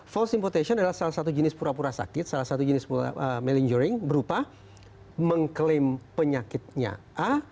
false impotation adalah salah satu jenis pura pura sakit salah satu jenis melinggering berupa mengklaim penyakitnya a